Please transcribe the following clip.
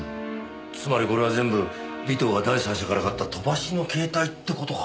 つまりこれは全部尾藤が第三者から買った飛ばしの携帯って事か。